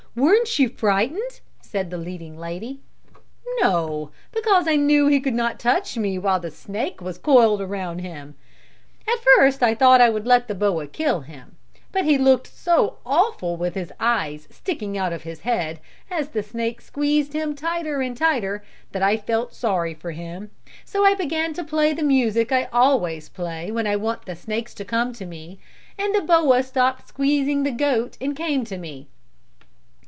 Weren't you frightened?" said the leading lady. "No, because I knew he could not touch me while the snake was coiled around him. At first I thought I would let the boa kill him, but he looked so awful with his eyes sticking out of his head, as the snake squeezed him tighter and tighter, that I felt sorry for him; so I began to play the music I always play when I want the snakes to come to me, and the boa stopped squeezing the goat and came to me."